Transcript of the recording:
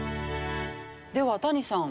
では谷さん。